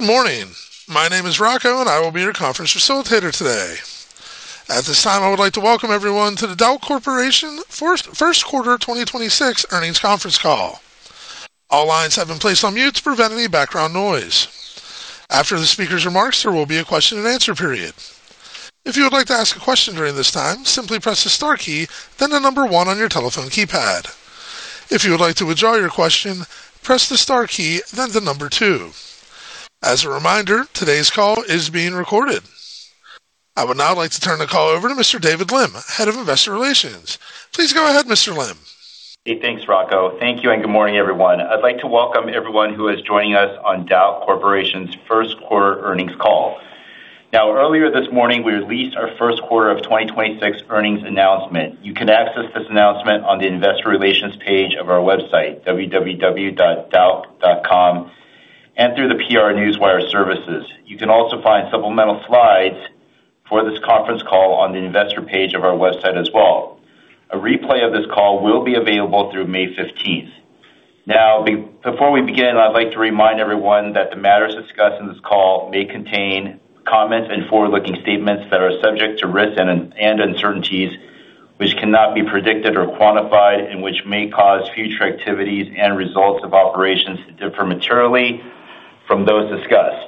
Good morning. My name is Rocco, and I will be your conference facilitator today. At this time, I would like to welcome everyone to the Dauch Corporation first quarter 2026 earnings conference call. All lines have been placed on mute to prevent any background noise. After the speaker's remarks, there will be a question and answer period. If you would like to ask a question during this time, simply press the star key, then the number one on your telephone keypad. If you would like to withdraw your question, press the star key, then the number two. As a reminder, today's call is being recorded. I would now like to turn the call over to Mr. David Lim, Head of Investor Relations. Please go ahead, Mr. Lim. Hey, thanks, Rocco. Thank you. Good morning, everyone. I'd like to welcome everyone who is joining us on Dauch Corporation's first quarter earnings call. Earlier this morning, we released our first quarter of 2026 earnings announcement. You can access this announcement on the investor relations page of our website, www.dauch.com, and through the PR Newswire services. You can also find supplemental slides for this conference call on the investor page of our website as well. A replay of this call will be available through May 15th. Before we begin, I'd like to remind everyone that the matters discussed in this call may contain comments and forward-looking statements that are subject to risk and uncertainties which cannot be predicted or quantified and which may cause future activities and results of operations to differ materially from those discussed.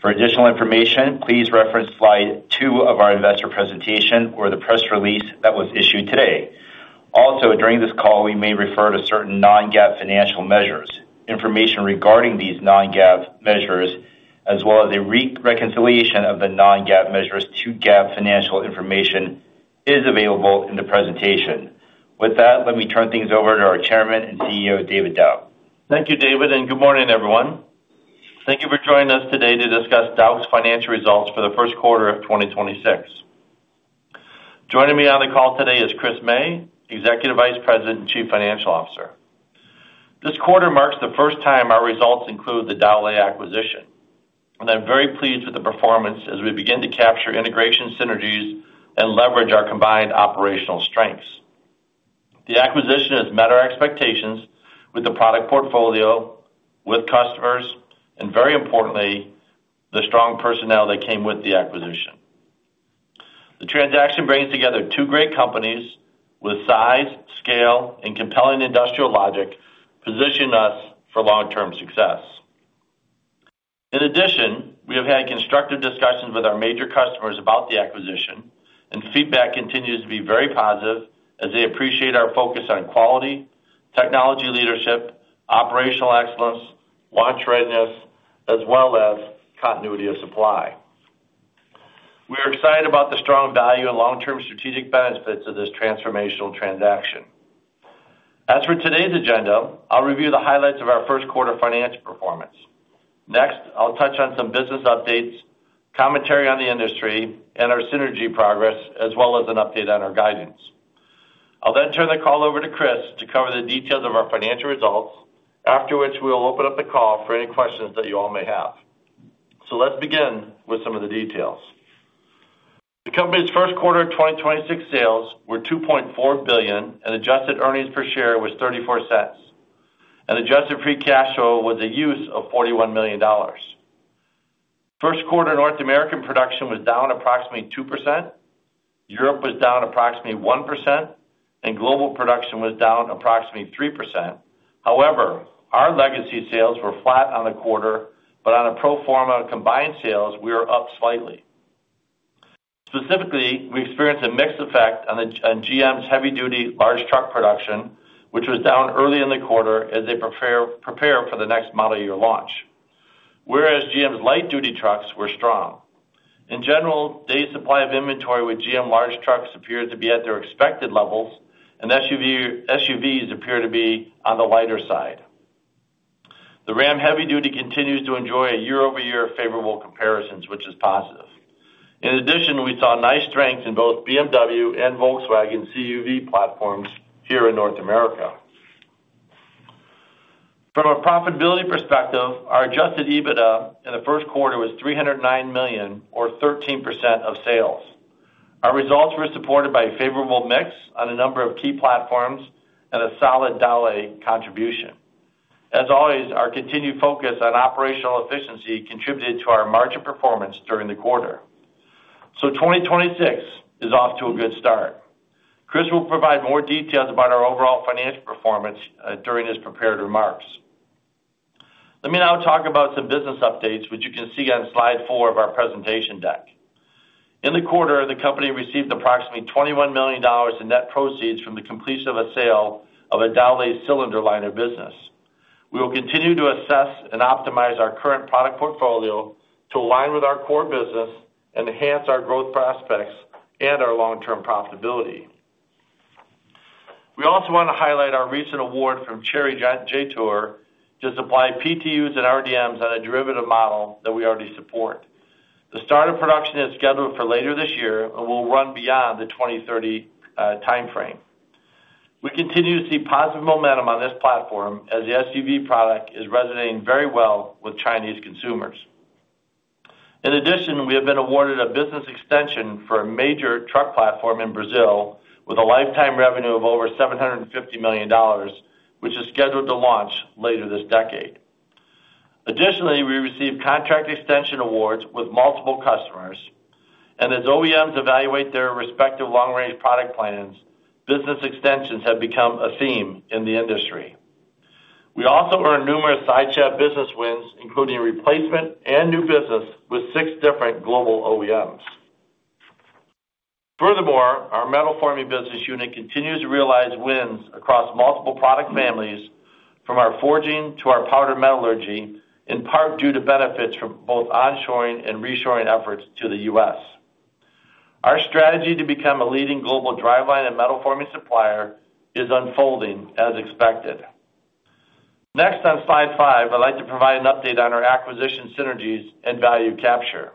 For additional information, please reference slide 2 of our investor presentation or the press release that was issued today. During this call, we may refer to certain non-GAAP financial measures. Information regarding these non-GAAP measures, as well as a reconciliation of the non-GAAP measures to GAAP financial information, is available in the presentation. Let me turn things over to our Chairman and CEO, David Dauch. Thank you, David, good morning, everyone. Thank you for joining us today to discuss Dauch's financial results or the first quarter of 2026. Joining me on the call today is Chris May, Executive Vice President and Chief Financial Officer. This quarter marks the first time our results include the Dowlais acquisition. I'm very pleased with the performance as we begin to capture integration synergies and leverage our combined operational strengths. The acquisition has met our expectations with the product portfolio, with customers, and very importantly, the strong personnel that came with the acquisition. The transaction brings together two great companies with size, scale, and compelling industrial logic, positioning us for long-term success. In addition, we have had constructive discussions with our major customers about the acquisition, and feedback continues to be very positive as they appreciate our focus on quality, technology leadership, operational excellence, launch readiness, as well as continuity of supply. We are excited about the strong value and long-term strategic benefits of this transformational transaction. As for today's agenda, I will review the highlights of our first quarter financial performance. Next, I will touch on some business updates, commentary on the industry, and our synergy progress, as well as an update on our guidance. I will then turn the call over to Chris to cover the details of our financial results. After which, we will open up the call for any questions that you all may have. Let's begin with some of the details. The company's first quarter of 2026 sales were $2.4 billion, and adjusted earnings per share was $0.34. Adjusted free cash flow was a use of $41 million. First quarter North American production was down approximately 2%, Europe was down approximately 1%, and global production was down approximately 3%. However, our legacy sales were flat on the quarter, but on a pro forma of combined sales, we were up slightly. Specifically, we experienced a mixed effect on GM's heavy-duty large truck production, which was down early in the quarter as they prepare for the next model year launch. Whereas GM's light-duty trucks were strong. In general, day supply of inventory with GM large trucks appeared to be at their expected levels, and SUVs appear to be on the lighter side. The Ram Heavy Duty continues to enjoy a year-over-year favorable comparisons, which is positive. In addition, we saw nice strength in both BMW and Volkswagen CUV platforms here in North America. From a profitability perspective, our adjusted EBITDA in the first quarter was $309 million or 13% of sales. Our results were supported by a favorable mix on a number of key platforms and a solid Dowlais contribution. As always, our continued focus on operational efficiency contributed to our margin performance during the quarter. 2026 is off to a good start. Chris will provide more details about our overall financial performance during his prepared remarks. Let me now talk about some business updates, which you can see on slide 4 of our presentation deck. In the quarter, the company received approximately $21 million in net proceeds from the completion of a sale of a Dowlais cylinder liner business. We will continue to assess and optimize our current product portfolio to align with our core business, enhance our growth prospects, and our long-term profitability. We also want to highlight our recent award from Chery Jaecoo Jetour to supply PTUs and RDMs on a derivative model that we already support. The start of production is scheduled for later this year and will run beyond the 2030 timeframe. We continue to see positive momentum on this platform as the SUV product is resonating very well with Chinese consumers. In addition, we have been awarded a business extension for a major truck platform in Brazil with a lifetime revenue of over $750 million, which is scheduled to launch later this decade. Additionally, we received contract extension awards with multiple customers, and as OEMs evaluate their respective long-range product plans, business extensions have become a theme in the industry. We also earned numerous sideshaft business wins, including replacement and new business with six different global OEMs. Furthermore, our metal forming business unit continues to realize wins across multiple product families from our forging to our powder metallurgy, in part due to benefits from both onshoring and reshoring efforts to the U.S. Our strategy to become a leading global driveline and metal forming supplier is unfolding as expected. Next, on slide 5, I'd like to provide an update on our acquisition synergies and value capture.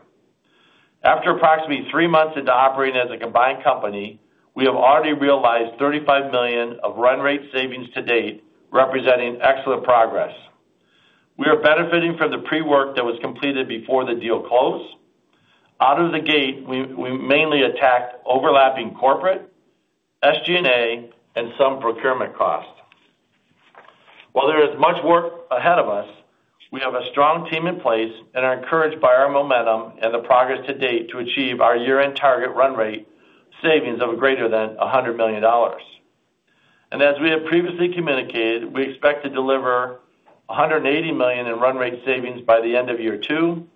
After approximately three months into operating as a combined company, we have already realized $35 million of run rate savings to date, representing excellent progress. We are benefiting from the pre-work that was completed before the deal closed. Out of the gate, we mainly attacked overlapping corporate, SG&A, and some procurement costs. While there is much work ahead of us, we have a strong team in place and are encouraged by our momentum and the progress to date to achieve our year-end target run rate savings of greater than $100 million. As we have previously communicated, we expect to deliver $180 million in run rate savings by the end of year two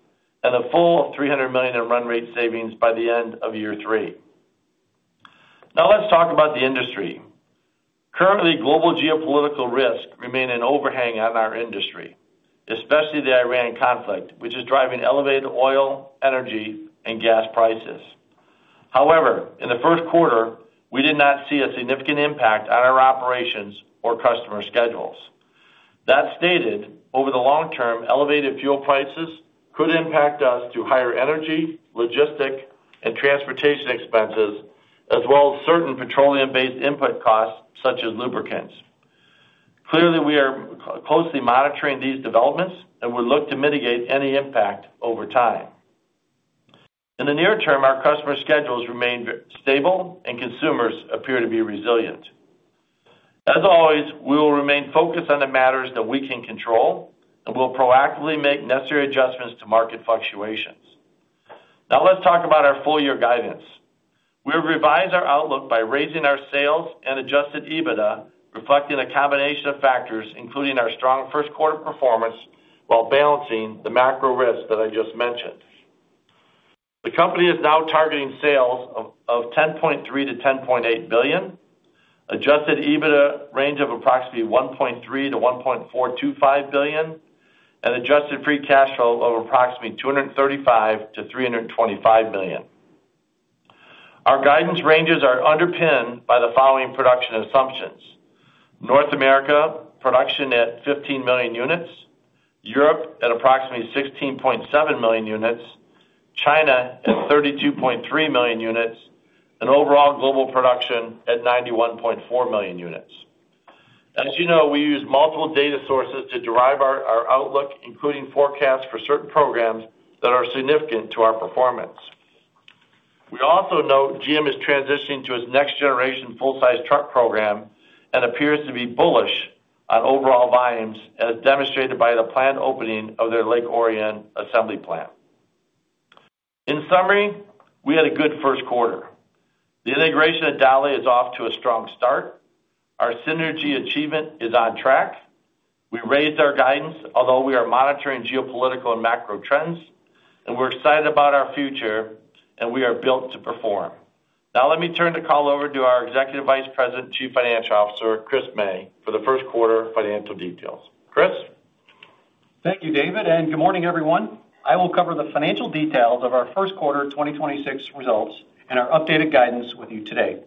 and a full $300 million in run rate savings by the end of year three. Now let's talk about the industry. Currently, global geopolitical risks remain an overhang on our industry, especially the Iran conflict, which is driving elevated oil, energy, and gas prices. However, in the first quarter, we did not see a significant impact on our operations or customer schedules. That stated, over the long term, elevated fuel prices could impact us through higher energy, logistic, and transportation expenses as well as certain petroleum-based input costs such as lubricants. Clearly, we are closely monitoring these developments, and we look to mitigate any impact over time. In the near term, our customer schedules remain stable and consumers appear to be resilient. As always, we will remain focused on the matters that we can control and will proactively make necessary adjustments to market fluctuations. Now let's talk about our full year guidance. We revise our outlook by raising our sales and adjusted EBITDA, reflecting a combination of factors, including our strong first quarter performance while balancing the macro risks that I just mentioned. The company is now targeting sales of $10.3 billion-$10.8 billion, adjusted EBITDA range of approximately $1.3 billion-$1.425 billion, and adjusted free cash flow of approximately $235 million-$325 million. Our guidance ranges are underpinned by the following production assumptions. North America, production at 15 million units, Europe at approximately 16.7 million units, China at 32.3 million units, Overall global production at 91.4 million units. As you know, we use multiple data sources to derive our outlook, including forecasts for certain programs that are significant to our performance. We also note GM is transitioning to its next-generation full-size truck program and appears to be bullish on overall volumes as demonstrated by the planned opening of their Lake Orion Assembly Plant. In summary, we had a good first quarter. The integration of Dowlais is off to a strong start. Our synergy achievement is on track. We raised our guidance, although we are monitoring geopolitical and macro trends, and we're excited about our future, and we are built to perform. Now let me turn the call over to our Executive Vice President, Chief Financial Officer, Chris May, for the first quarter financial details. Chris. Thank you, David, and good morning, everyone. I will cover the financial details of our first quarter 2026 results and our updated guidance with you today.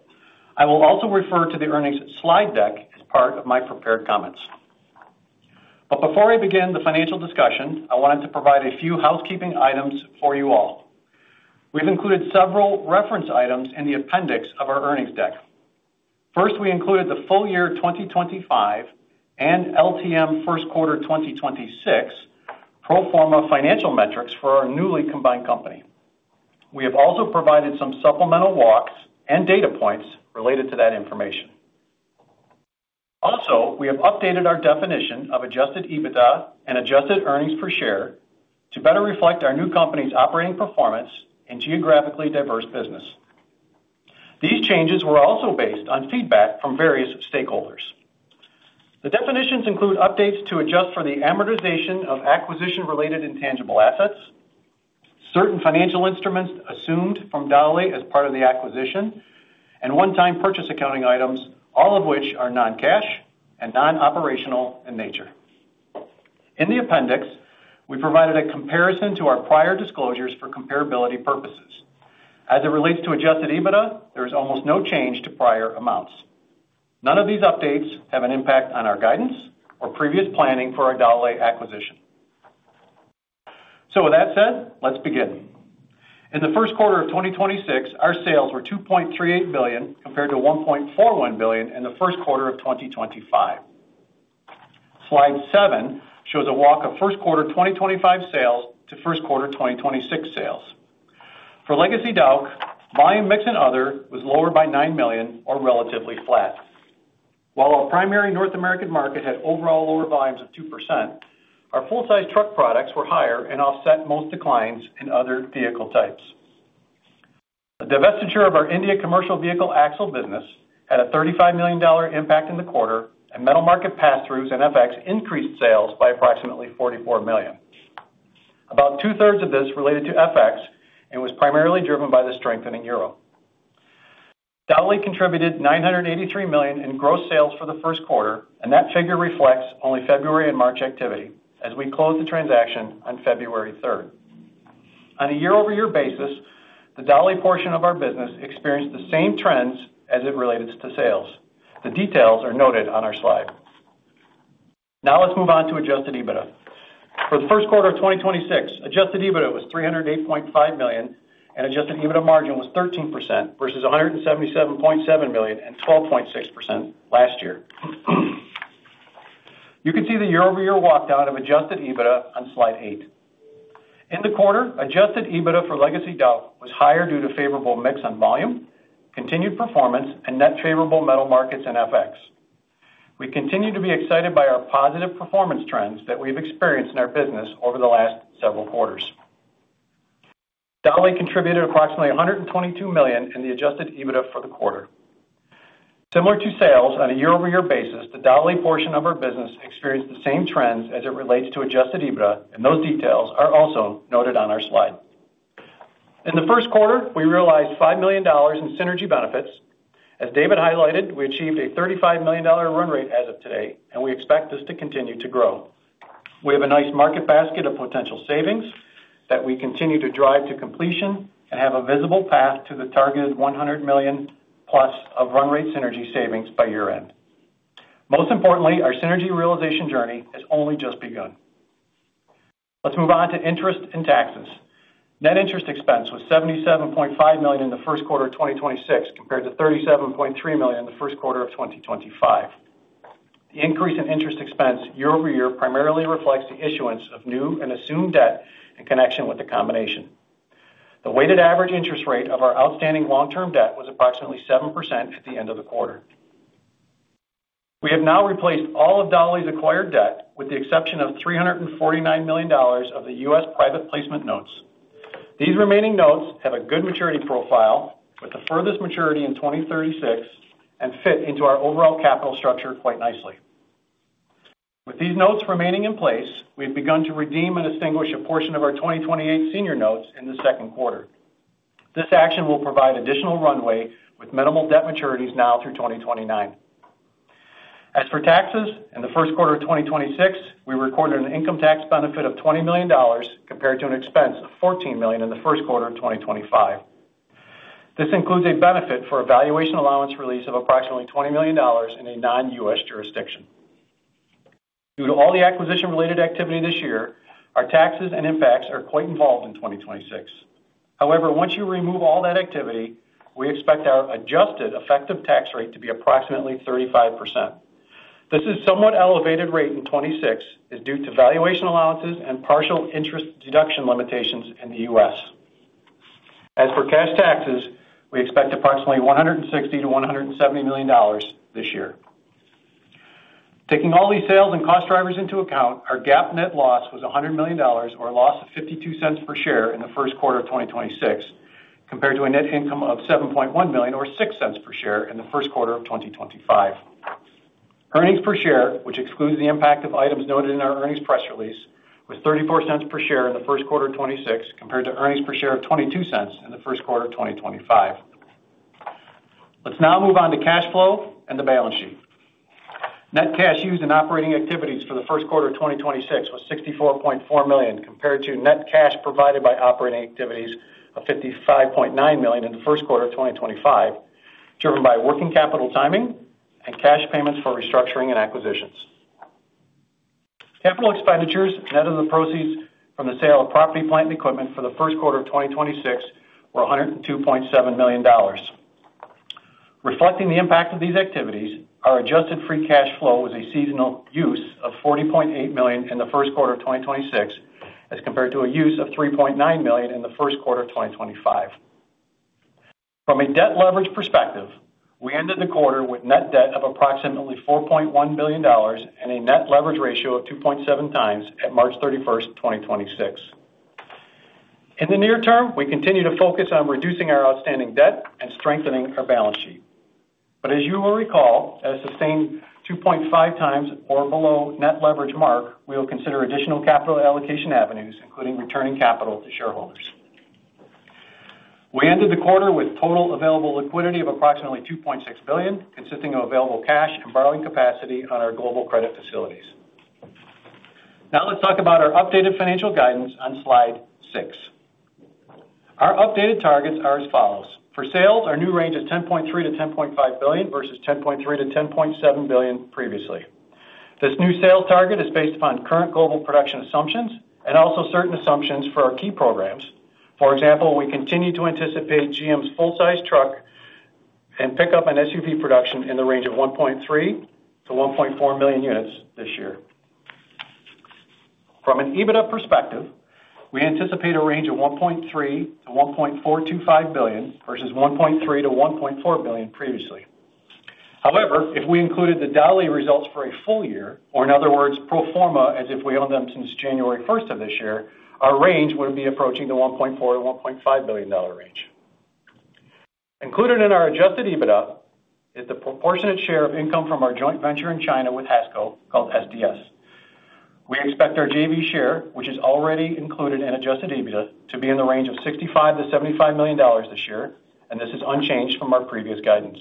I will also refer to the earnings slide deck as part of my prepared comments. Before I begin the financial discussion, I wanted to provide a few housekeeping items for you all. We've included several reference items in the appendix of our earnings deck. First, we included the full year 2025 and LTM first quarter 2026 pro forma financial metrics for our newly combined company. We have also provided some supplemental walks and data points related to that information. We have updated our definition of adjusted EBITDA and adjusted earnings per share to better reflect our new company's operating performance and geographically diverse business. These changes were also based on feedback from various stakeholders. The definitions include updates to adjust for the amortization of acquisition-related intangible assets, certain financial instruments assumed from Dowlais as part of the acquisition, and one-time purchase accounting items, all of which are non-cash and non-operational in nature. In the appendix, we provided a comparison to our prior disclosures for comparability purposes. As it relates to adjusted EBITDA, there is almost no change to prior amounts. None of these updates have an impact on our guidance or previous planning for our Dowlais acquisition. With that said, let's begin. In the first quarter of 2026, our sales were $2.38 billion compared to $1.41 billion in the first quarter of 2025. Slide 7 shows a walk of first quarter 2025 sales to first quarter 2026 sales. For Legacy Dowlais, volume, mix and other was lower by $9 million or relatively flat. While our primary North American market had overall lower volumes of 2%, our full-size truck products were higher and offset most declines in other vehicle types. The divestiture of our India commercial vehicle axle business had a $35 million impact in the quarter. Metal market passthroughs and FX increased sales by approximately $44 million. About two-thirds of this related to FX and was primarily driven by the strengthening EUR. Dowlais contributed $983 million in gross sales for the first quarter, and that figure reflects only February and March activity as we close the transaction on February third. On a year-over-year basis, the Dowlais portion of our business experienced the same trends as it related to sales. The details are noted on our slide. Let's move on to adjusted EBITDA. For the first quarter of 2026, adjusted EBITDA was $308.5 million, and adjusted EBITDA margin was 13% versus $177.7 million and 12.6% last year. You can see the year-over-year walkdown of adjusted EBITDA on slide 8. In the quarter, adjusted EBITDA for Legacy Dowlais was higher due to favorable mix on volume, continued performance and net favorable metal markets and FX. We continue to be excited by our positive performance trends that we've experienced in our business over the last several quarters. Dowlais contributed approximately $122 million in the adjusted EBITDA for the quarter. Similar to sales on a year-over-year basis, the Dowlais portion of our business experienced the same trends as it relates to adjusted EBITDA, and those details are also noted on our slide. In the first quarter, we realized $5 million in synergy benefits. As David highlighted, we achieved a $35 million run rate as of today, and we expect this to continue to grow. We have a nice market basket of potential savings that we continue to drive to completion and have a visible path to the targeted $100 million-plus run rate synergy savings by year-end. Most importantly, our synergy realization journey has only just begun. Let's move on to interest and taxes. Net interest expense was $77.5 million in the first quarter of 2026 compared to $37.3 million in the first quarter of 2025. The increase in interest expense year-over-year primarily reflects the issuance of new and assumed debt in connection with the combination. The weighted average interest rate of our outstanding long-term debt was approximately 7% at the end of the quarter. We have now replaced all of Dowlais' acquired debt, with the exception of $349 million of the U.S. private placement notes. These remaining notes have a good maturity profile with the furthest maturity in 2036 and fit into our overall capital structure quite nicely. With these notes remaining in place, we've begun to redeem and extinguish a portion of our 2028 senior notes in the second quarter. This action will provide additional runway with minimal debt maturities now through 2029. As for taxes, in the first quarter of 2026, we recorded an income tax benefit of $20 million compared to an expense of $14 million in the first quarter of 2025. This includes a benefit for a valuation allowance release of approximately $20 million in a non-U.S. jurisdiction. Due to all the acquisition-related activity this year, our taxes and impacts are quite involved in 2026. However, once you remove all that activity, we expect our adjusted effective tax rate to be approximately 35%. This is somewhat elevated rate in 2026 is due to valuation allowances and partial interest deduction limitations in the U.S. As for cash taxes, we expect approximately $160 million-$170 million this year. Taking all these sales and cost drivers into account, our GAAP net loss was $100 million or a loss of $0.52 per share in the first quarter of 2026, compared to a net income of $7.1 million or $0.06 per share in the first quarter of 2025. Earnings per share, which excludes the impact of items noted in our earnings press release, was $0.34 per share in the first quarter of 2026, compared to earnings per share of $0.22 in the first quarter of 2025. Let's now move on to cash flow and the balance sheet. Net cash used in operating activities for the first quarter of 2026 was $64.4 million, compared to net cash provided by operating activities of $55.9 million in the first quarter of 2025, driven by working capital timing and cash payments for restructuring and acquisitions. Capital expenditures net of the proceeds from the sale of property, plant, and equipment for the first quarter of 2026 were $102.7 million. Reflecting the impact of these activities, our adjusted free cash flow was a seasonal use of $40.8 million in the first quarter of 2026, as compared to a use of $3.9 million in the first quarter of 2025. From a debt leverage perspective, we ended the quarter with net debt of approximately $4.1 billion and a net leverage ratio of 2.7x at March 31, 2026. In the near term, we continue to focus on reducing our outstanding debt and strengthening our balance sheet. As you will recall, at a sustained 2.5x or below net leverage mark, we will consider additional capital allocation avenues, including returning capital to shareholders. We ended the quarter with total available liquidity of approximately $2.6 billion, consisting of available cash and borrowing capacity on our global credit facilities. Now let's talk about our updated financial guidance on slide 6. Our updated targets are as follows: For sales, our new range is $10.3 billion-$10.5 billion versus $10.3 billion-$10.7 billion previously. This new sales target is based upon current global production assumptions and also certain assumptions for our key programs. For example, we continue to anticipate GM's full-size truck and pick up an SUV production in the range of 1.3 million-1.4 million units this year. From an EBITDA perspective, we anticipate a range of $1.3 billion-$1.425 billion versus $1.3 billion-$1.4 billion previously. If we included the Dowlais results for a full year, or in other words, pro forma as if we owned them since January 1st of this year, our range would be approaching the $1.4 billion-$1.5 billion range. Included in our adjusted EBITDA is the proportionate share of income from our joint venture in China with HASCO called SDS. We expect our JV share, which is already included in adjusted EBITDA, to be in the range of $65 million-$75 million this year. This is unchanged from our previous guidance.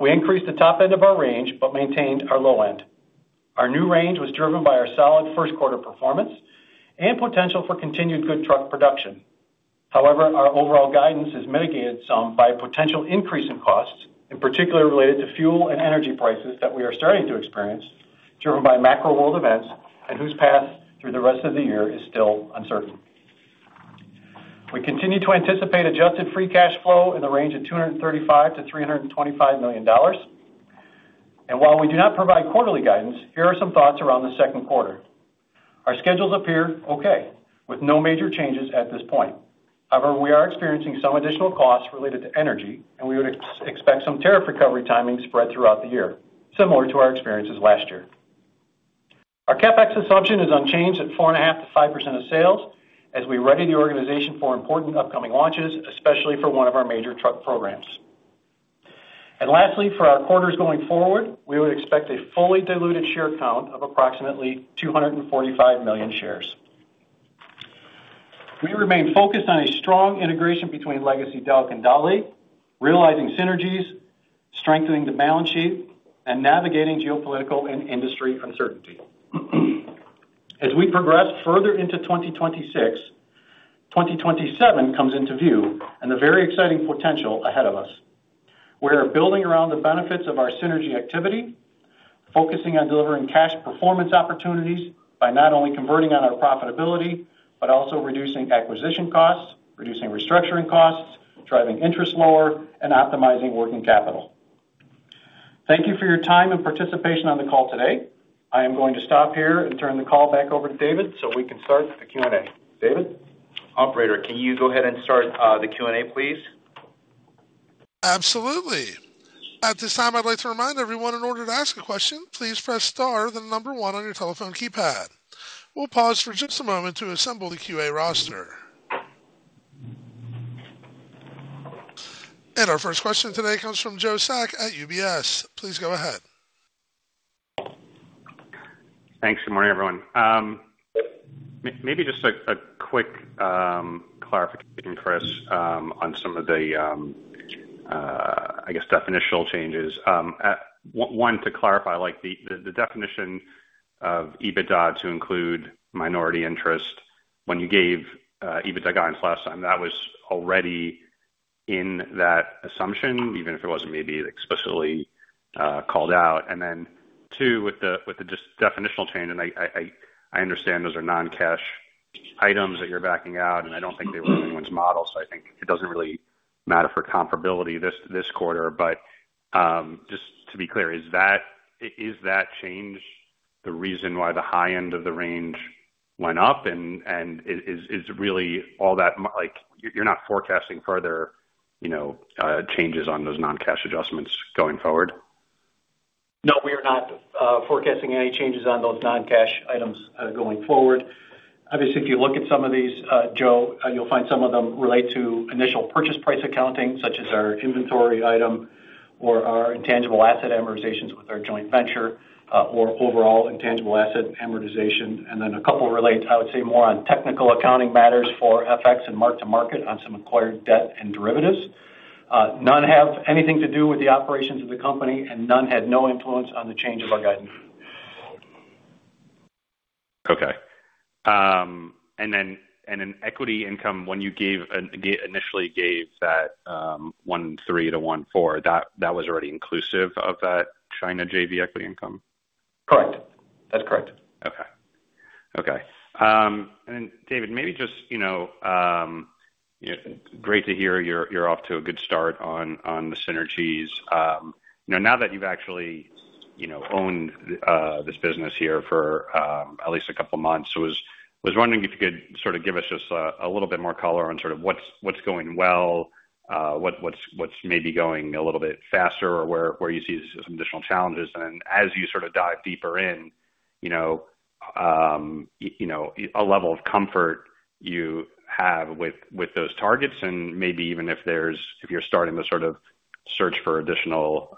We increased the top end of our range but maintained our low end. Our new range was driven by our solid 1st quarter performance and potential for continued good truck production. Our overall guidance is mitigated some by potential increase in costs, in particular related to fuel and energy prices that we are starting to experience, driven by macro world events and whose path through the rest of the year is still uncertain. We continue to anticipate adjusted free cash flow in the range of $235 million-$325 million. While we do not provide quarterly guidance, here are some thoughts around the second quarter. Our schedules appear okay, with no major changes at this point. We are experiencing some additional costs related to energy, and we would expect some tariff recovery timing spread throughout the year, similar to our experiences last year. Our CapEx assumption is unchanged at 4.5%-5% of sales as we ready the organization for important upcoming launches, especially for one of our major truck programs. Lastly, for our quarters going forward, we would expect a fully diluted share count of approximately 245 million shares. We remain focused on a strong integration between legacy Dauch and Dowlais, realizing synergies, strengthening the balance sheet and navigating geopolitical and industry uncertainty. As we progress further into 2026, 2027 comes into view. A very exciting potential ahead of us. We are building around the benefits of our synergy activity, focusing on delivering cash performance opportunities by not only converting on our profitability, also reducing acquisition costs, reducing restructuring costs, driving interest lower and optimizing working capital. Thank you for your time and participation on the call today. I am going to stop here and turn the call back over to David, so we can start the Q&A. David? Operator, can you go ahead and start the Q&A, please? Absolutely. At this time, I'd like to remind everyone in order to ask a question, please press star, then the number one on your telephone keypad. We'll pause for just a moment to assemble the QA roster. Our first question today comes from Joseph Spak at UBS. Please go ahead. Thanks. Good morning, everyone. Maybe just a quick clarification, Chris, on some of the, I guess definitional changes. One, to clarify, like the definition of EBITDA to include minority interest when you gave EBITDA guidance last time, that was already in that assumption, even if it wasn't maybe explicitly called out. Then two, with the just definitional change, and I understand those are non-cash items that you're backing out, and I don't think they were in anyone's model, so I think it doesn't really matter for comparability this quarter. Just to be clear, is that change the reason why the high end of the range went up? Is it really all that Like, you're not forecasting further, you know, changes on those non-cash adjustments going forward? No, we are not forecasting any changes on those non-cash items going forward. Obviously, if you look at some of these, Joe, you'll find some of them relate to initial purchase price accounting, such as our inventory item or our intangible asset amortizations with our joint venture, or overall intangible asset amortization. A couple relate, I would say more on technical accounting matters for FX and mark-to-market on some acquired debt and derivatives. None have anything to do with the operations of the company, and none had no influence on the change of our guidance. Okay. In equity income, when you initially gave that 1.3-1.4, that was already inclusive of that China JV equity income? Correct. That's correct. Okay. Okay. David, maybe just, you know, great to hear you're off to a good start on the synergies. You know, now that you've actually, you know, owned this business here for at least a couple of months, so wondering if you could sort of give us just a little bit more color on sort of what's going well, what's maybe going a little bit faster or where you see some additional challenges. As you sort of dive deeper in, you know, a level of comfort you have with those targets and maybe even if you're starting to sort of search for additional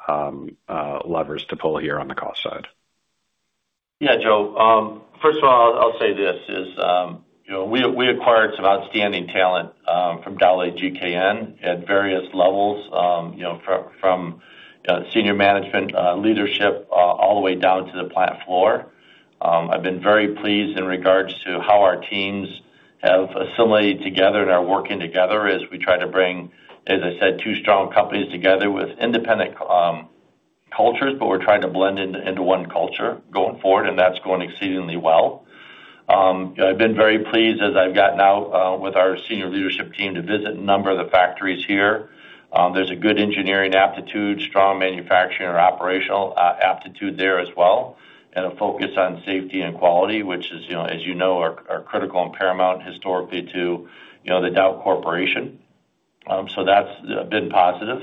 levers to pull here on the cost side. Yeah, Joseph. First of all, I'll say this is, you know, we acquired some outstanding talent from Dowlais GKN at various levels, you know, from senior management leadership all the way down to the plant floor. I've been very pleased in regards to how our teams have assimilated together and are working together as we try to bring, as I said, two strong companies together with independent. Cultures, we're trying to blend into one culture going forward, and that's going exceedingly well. I've been very pleased as I've gotten out with our senior leadership team to visit a number of the factories here. There's a good engineering aptitude, strong manufacturing or operational aptitude there as well, and a focus on safety and quality, which is, you know, as you know, critical and paramount historically to, you know, the Dauch Corporation. That's been positive.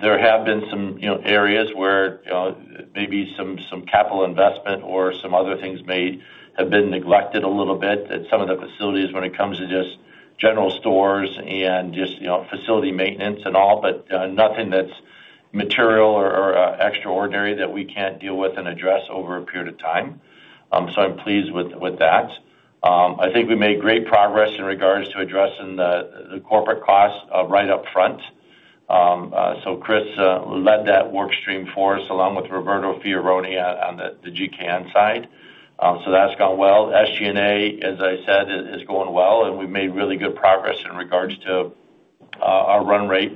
There have been some, you know, areas where, you know, maybe some capital investment or some other things may have been neglected a little bit at some of the facilities when it comes to just general stores and just, you know, facility maintenance and all, but nothing that's material or extraordinary that we can't deal with and address over a period of time. I'm pleased with that. I think we made great progress in regards to addressing the corporate costs right up front. Chris led that work stream for us, along with Roberto Fioroni on the GKN side. That's gone well. SG&A, as I said, is going well, and we've made really good progress in regards to our run rate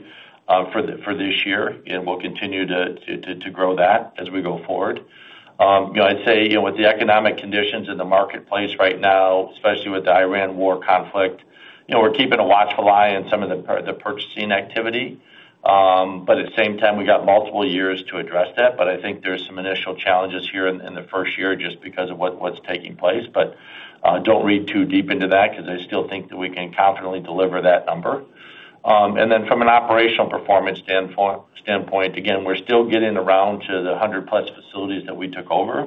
for this year, and we'll continue to grow that as we go forward. You know, I'd say, you know, with the economic conditions in the marketplace right now, especially with the Iran war conflict, you know, we're keeping a watchful eye on some of the purchasing activity. At the same time, we got multiple years to address that. I think there's some initial challenges here in the first year just because of what's taking place. Don't read too deep into that because I still think that we can confidently deliver that number. From an operational performance standpoint, again, we're still getting around to the hundred-plus facilities that we took over.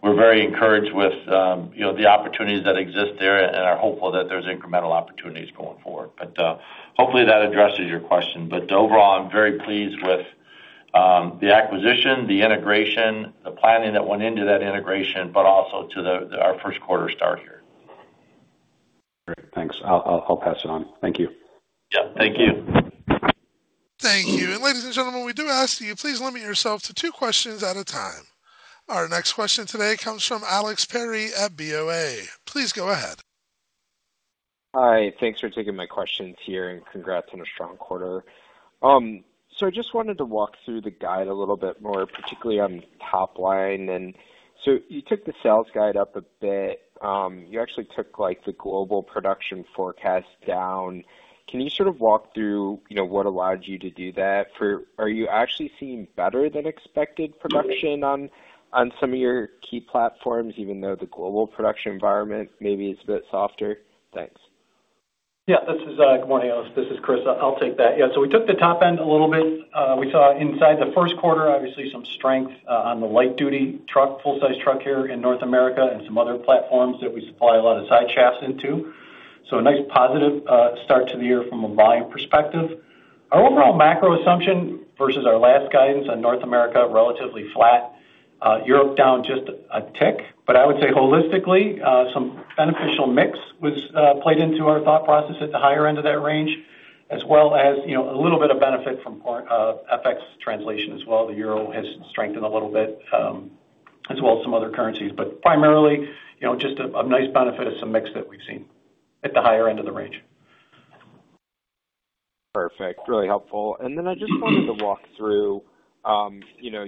We're very encouraged with, you know, the opportunities that exist there and are hopeful that there's incremental opportunities going forward. Hopefully that addresses your question. Overall, I'm very pleased with the acquisition, the integration, the planning that went into that integration, but also to our first quarter start here. Great. Thanks. I'll pass it on. Thank you. Yeah. Thank you. Thank you. Ladies and gentlemen, we do ask you, please limit yourselves to two questions at a time. Our next question today comes from Alexander Perry at BofA. Please go ahead. Hi. Thanks for taking my questions here. Congrats on a strong quarter. I just wanted to walk through the guide a little bit more, particularly on top line. You took the sales guide up a bit. You actually took, like, the global production forecast down. Can you sort of walk through, you know, what allowed you to do that? Are you actually seeing better than expected production on some of your key platforms, even though the global production environment maybe is a bit softer? Thanks. This is Good morning, Alex. This is Chris. I'll take that. We took the top end a little bit. We saw inside the first quarter, obviously, some strength on the light duty truck, full-size truck here in North America and some other platforms that we supply a lot of sideshafts into. A nice positive start to the year from a volume perspective. Our overall macro assumption versus our last guidance on North America, relatively flat. Europe down just a tick. I would say holistically, some beneficial mix was played into our thought process at the higher end of that range, as well as, you know, a little bit of benefit from part FX translation as well. The euro has strengthened a little bit, as well as some other currencies. Primarily, you know, just a nice benefit of some mix that we've seen at the higher end of the range. Perfect. Really helpful. I just wanted to walk through, you know,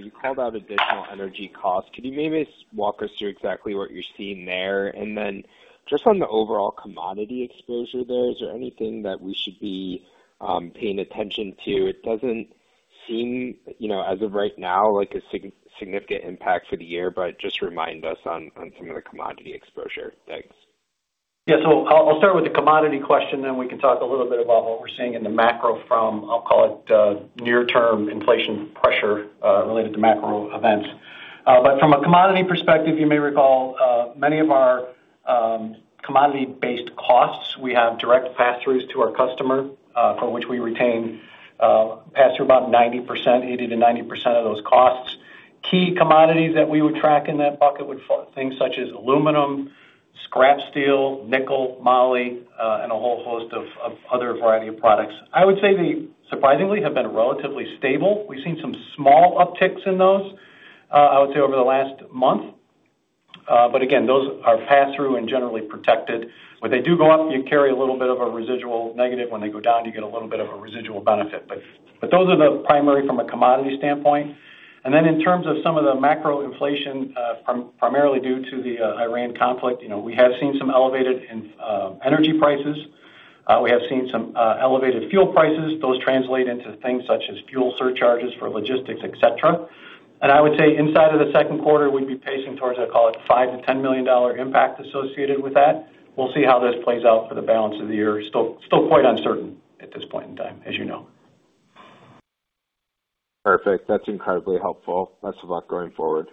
you called out additional energy costs. Could you maybe walk us through exactly what you're seeing there? Just on the overall commodity exposure there, is there anything that we should be paying attention to? It doesn't seem, you know, as of right now, like a significant impact for the year, but just remind us on some of the commodity exposure. Thanks. Yeah. I'll start with the commodity question, then we can talk a little bit about what we're seeing in the macro from, I'll call it, near term inflation pressure related to macro events. From a commodity perspective, you may recall, many of our commodity-based costs, we have direct pass-throughs to our customer, for which we retain pass-through about 90%, 80%-90% of those costs. Key commodities that we would track in that bucket would fall things such as aluminum, scrap steel, nickel, moly, and a whole host of other variety of products. I would say they surprisingly have been relatively stable. We've seen some small upticks in those, I would say over the last one month. Again, those are pass-through and generally protected. When they do go up, you carry a little bit of a residual negative. When they go down, you get a little bit of a residual benefit. Those are the primary from a commodity standpoint. Then in terms of some of the macro inflation, from primarily due to the Iran conflict, you know, we have seen some elevated energy prices. We have seen some elevated fuel prices. Those translate into things such as fuel surcharges for logistics, et cetera. I would say inside of the second quarter, we'd be pacing towards, I'd call it, $5 million-$10 million impact associated with that. We'll see how this plays out for the balance of the year. Still quite uncertain at this point in time, as you know. Perfect. That's incredibly helpful. Best of luck going forward.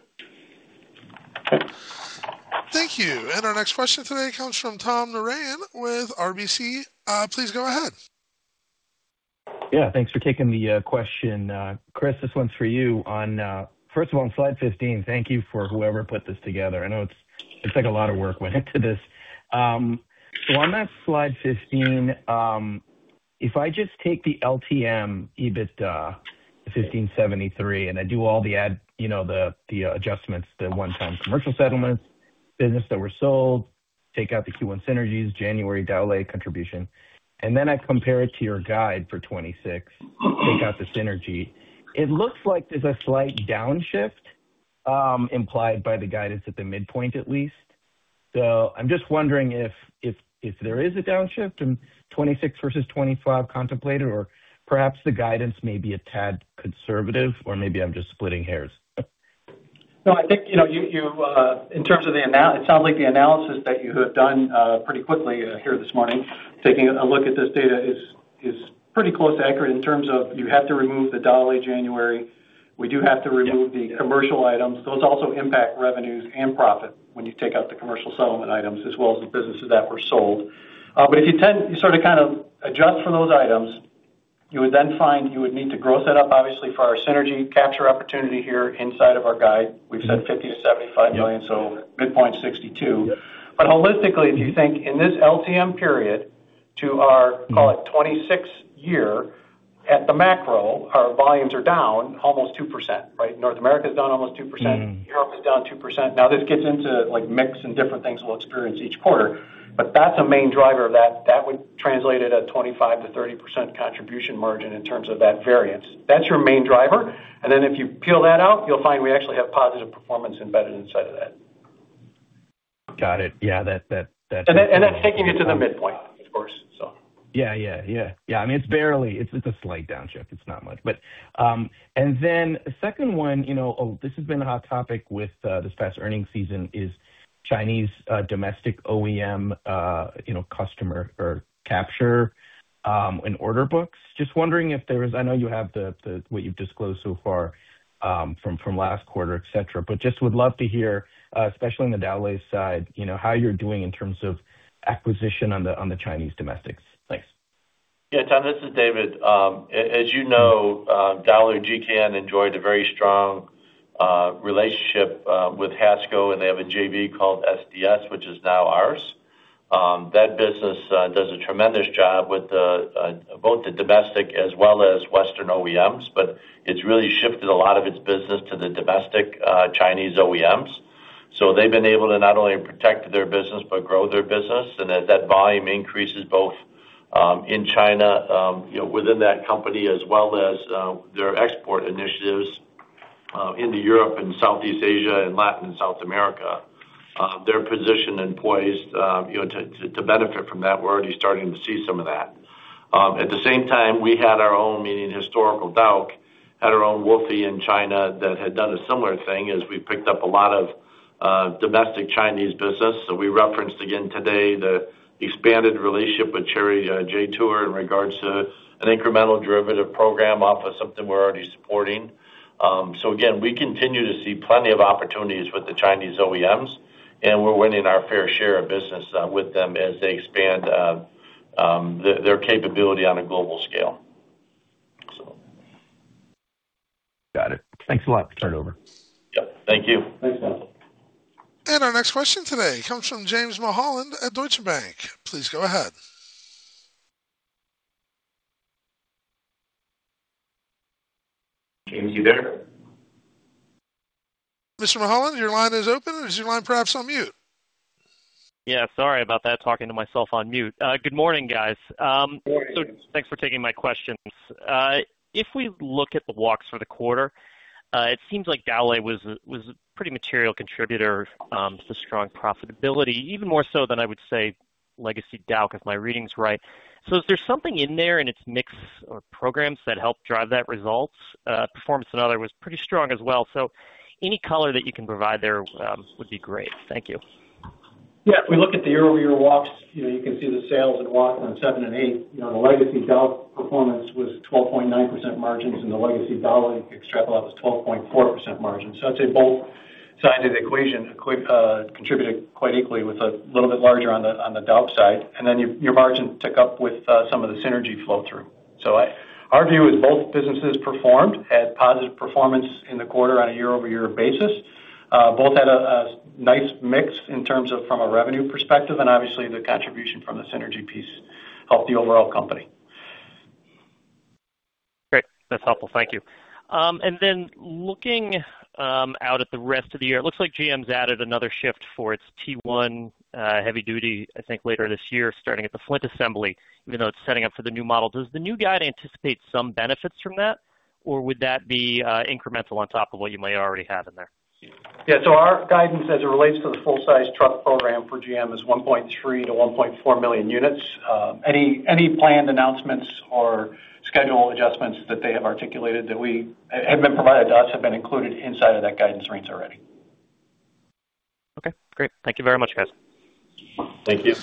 Thank you. Our next question today comes from Tom Narayan with RBC. Please go ahead. Thanks for taking the question. Chris, this one's for you on first of all, on slide 15, thank you for whoever put this together. I know it's like a lot of work went into this. On that slide 15, if I just take the LTM EBITDA, the $1,573, and I do all the, you know, the adjustments, the one-time commercial settlements, businesses that were sold, take out the Q1 synergies, January, Dowlais contribution. Then I compare it to your guide for 2026, take out the synergy. It looks like there's a slight downshift implied by the guidance at the midpoint, at least. I'm just wondering if there is a downshift in 2026 versus 2025 contemplated or perhaps the guidance may be a tad conservative or maybe I'm just splitting hairs. No, I think, you know, you, in terms of the analysis that you have done, pretty quickly, here this morning, taking a look at this data is pretty close to accurate in terms of you have to remove the Dowlais January. Yeah. The commercial items. Those also impact revenues and profit when you take out the commercial settlement items as well as the businesses that were sold. If you sort of kind of adjust for those items, you would then find you would need to grow that up, obviously, for our synergy capture opportunity here inside of our guide. We've said $50 million-$75 million, so midpoint $62 million. Holistically, if you think in this LTM period to our, call it, 26th year at the macro, our volumes are down almost 2%, right? North America is down almost 2%. Europe is down 2%. This gets into like mix and different things we'll experience each quarter, but that's a main driver of that. That would translate at a 25%-30% contribution margin in terms of that variance. That's your main driver. If you peel that out, you'll find we actually have positive performance embedded inside of that. Got it. Yeah, that. That's taking it to the midpoint, of course. Yeah, yeah. I mean, it's barely, it's a slight downshift. It's not much. And then second one, you know, this has been a hot topic with this past earnings season is Chinese domestic OEM, you know, customer or capture in order books. Just wondering if there was I know you have the what you've disclosed so far from last quarter, et cetera. Just would love to hear, especially on the Dowlais side, you know, how you're doing in terms of acquisition on the Chinese domestics. Thanks. Yeah, Tom, this is David. As you know, Dowlais GKN enjoyed a very strong relationship with HASCO, and they have a JV called SDS, which is now ours. That business does a tremendous job with the both the domestic as well as Western OEMs, but it's really shifted a lot of its business to the domestic Chinese OEMs. They've been able to not only protect their business but grow their business. That, that volume increases both in China, you know, within that company, as well as their export initiatives into Europe and Southeast Asia and Latin and South America. They're positioned and poised, you know, to benefit from that. We're already starting to see some of that. At the same time, we had our own, meaning historical Dauch, had our own WOFE in China that had done a similar thing as we picked up a lot of domestic Chinese business. We referenced again today the expanded relationship with Chery, Jetour in regards to an incremental derivative program off of something we're already supporting. Again, we continue to see plenty of opportunities with the Chinese OEMs, and we're winning our fair share of business with them as they expand their capability on a global scale. Got it. Thanks a lot. Turn it over. Yep. Thank you. Thanks, Tom. Our next question today comes from James Mulholland at Deutsche Bank. Please go ahead. James, you there? Mr. Mulholland, your line is open. Is your line perhaps on mute? Sorry about that. Talking to myself on mute. Good morning, guys. Morning. Thanks for taking my questions. If we look at the walks for the quarter, it seems like Dowlais was a pretty material contributor to strong profitability, even more so than I would say legacy Dauch, if my reading's right. Is there something in there in its mix or programs that help drive that results? Performance another was pretty strong as well. Any color that you can provide there would be great. Thank you. Yeah, if we look at the year-over-year walks, you know, you can see the sales and walks on seven and eight. You know, the legacy Dauch performance was 12.9% margins, the legacy Dowlais was 12.4% margin. I'd say both sides of the equation contributed quite equally with a little bit larger on the Dauch side. Your margin tick up with some of the synergy flow through. Our view is both businesses performed, had positive performance in the quarter on a year-over-year basis. Both had a nice mix in terms of from a revenue perspective, obviously the contribution from the synergy piece helped the overall company. Great. That's helpful. Thank you. Looking out at the rest of the year, it looks like GM's added another shift for its T1 heavy duty, I think, later this year, starting at the Flint Assembly, even though it's setting up for the new model. Does the new guide anticipate some benefits from that, or would that be incremental on top of what you might already have in there? Our guidance as it relates to the full-size truck program for GM is 1.3 million-1.4 million units. Any planned announcements or schedule adjustments that they have articulated have been provided to us have been included inside of that guidance range already. Okay, great. Thank you very much, guys. Thank you.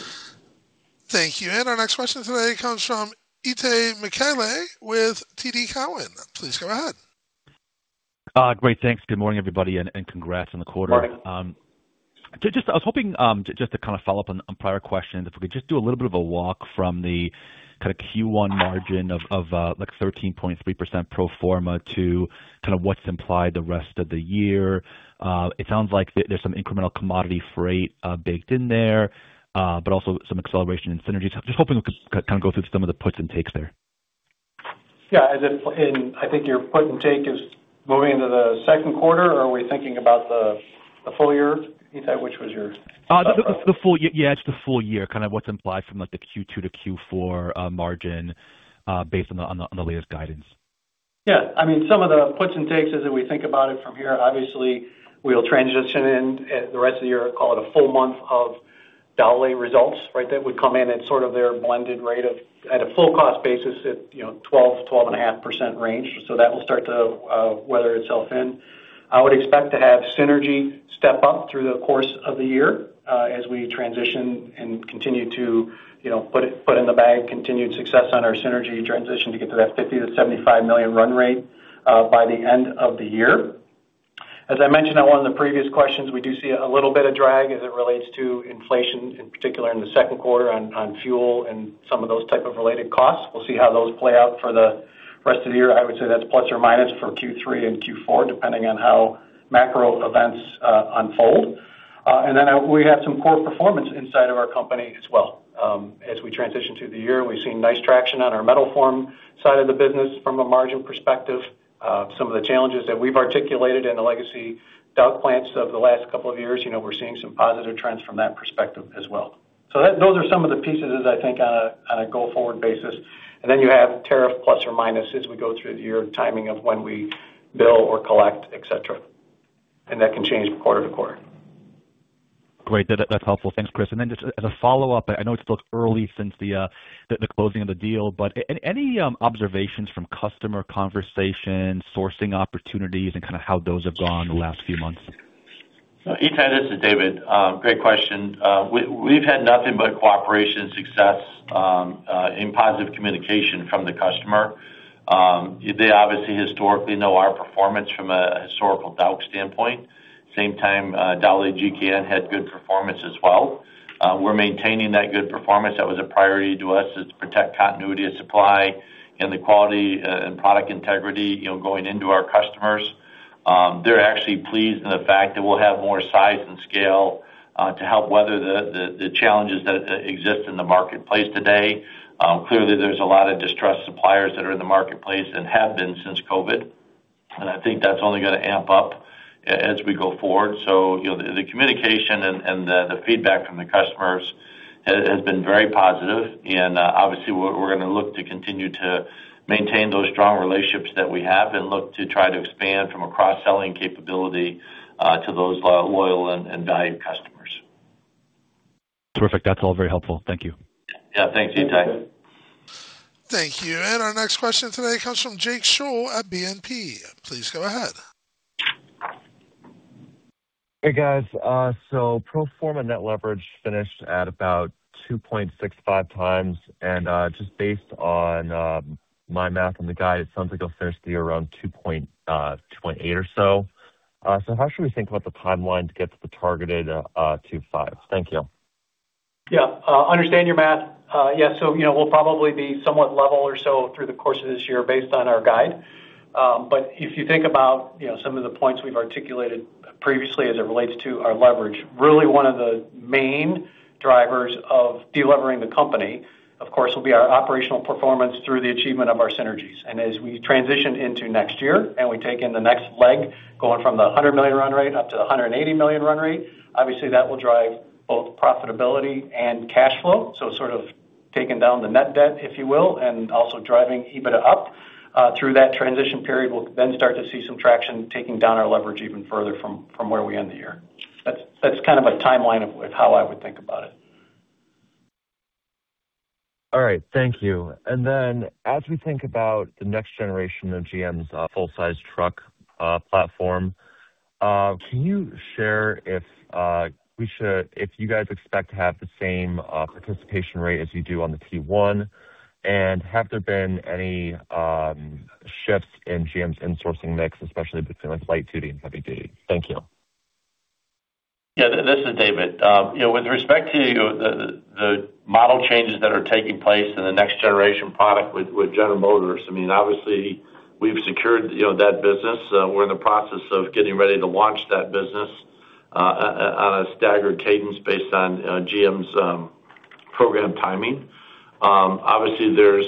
Thank you. Our next question today comes from Itay Michaeli with TD Cowen. Please go ahead. Great. Thanks. Good morning, everybody, and congrats on the quarter. Morning. Just, I was hoping, just to kind of follow up on prior questions, if we could just do a little bit of a walk from the kind of Q1 margin of, like 13.3% pro forma to kind of what's implied the rest of the year. It sounds like there's some incremental commodity freight, baked in there, but also some acceleration in synergies. I'm just hoping we could kind of go through some of the puts and takes there. Yeah, as in, I think your put and take is moving into the second quarter, or are we thinking about the full year? Itay. The full year. Yeah, it's the full year, kind of what's implied from like the Q2 to Q4 margin, based on the latest guidance. Yeah. I mean, some of the puts and takes as we think about it from here, obviously we'll transition in the rest of the year, call it a full month of Dowlais results, right? That would come in at sort of their blended rate of at a full cost basis at, you know, 12-12.5% range. That will start to weather itself in. I would expect to have synergy step up through the course of the year as we transition and continue to, you know, put in the bag, continued success on our synergy transition to get to that $50 million-$75 million run rate by the end of the year. As I mentioned on one of the previous questions, we do see a little bit of drag as it relates to inflation, in particular in the second quarter on fuel and some of those type of related costs. We'll see how those play out for the rest of the year. I would say that's plus or minus for Q3 and Q4, depending on how macro events unfold. Then we have some core performance inside of our company as well. As we transition through the year, we've seen nice traction on our metal form side of the business from a margin perspective. Some of the challenges that we've articulated in the legacy Dauch plants over the last couple of years, you know, we're seeing some positive trends from that perspective as well. Those are some of the pieces I think on a go-forward basis. You have tariff plus or minus as we go through the year, timing of when we bill or collect, et cetera. That can change quarter-to-quarter. Great. That's helpful. Thanks, Chris. Just as a follow-up, I know it's still early since the closing of the deal, but any observations from customer conversations, sourcing opportunities, and kind of how those have gone the last few months? Itay, this is David. Great question. We've had nothing but cooperation and success in positive communication from the customer. They obviously historically know our performance from a historical Dauch standpoint. Same time, Dowlais GKN had good performance as well. We're maintaining that good performance. That was a priority to us, is to protect continuity of supply and the quality and product integrity, you know, going into our customers. They're actually pleased in the fact that we'll have more size and scale to help weather the challenges that exist in the marketplace today. Clearly there's a lot of distressed suppliers that are in the marketplace and have been since COVID, and I think that's only gonna amp up as we go forward. You know, the communication and the feedback from the customers has been very positive. Obviously, we're gonna look to continue to maintain those strong relationships that we have and look to try to expand from a cross-selling capability to those loyal and valued customers. Terrific. That is all very helpful. Thank you. Yeah. Thanks, Itay. Thank you. Our next question today comes from James Shore at BNP. Please go ahead. Hey, guys. Pro forma net leverage finished at about 2.65x. Just based on my math and the guide, it sounds like you'll finish the year around 2.8 or so. How should we think about the timeline to get to the targeted 2.5? Thank you. Yeah. Understand your math. We'll probably be somewhat level or so through the course of this year based on our guide. If you think about some of the points we've articulated previously as it relates to our leverage, really one of the main drivers of de-levering the company, of course, will be our operational performance through the achievement of our synergies. As we transition into next year and we take in the next leg, going from the 100 million run rate up to the 180 million run rate, obviously that will drive both profitability and cash flow. Sort of taking down the net debt, if you will, and also driving EBITDA up through that transition period, we'll then start to see some traction taking down our leverage even further from where we end the year. That's kind of a timeline of how I would think about it. All right. Thank you. As we think about the next generation of GM's full-sized truck platform, can you share if you guys expect to have the same participation rate as you do on the T1? Have there been any shifts in GM's insourcing mix, especially between like light duty and heavy duty? Thank you. Yeah. This is David. you know, with respect to, you know, the, the model changes that are taking place in the next generation product with General Motors, I mean, obviously we've secured, you know, that business. We're in the process of getting ready to launch that business on a staggered cadence based on GM's program timing. Obviously, there's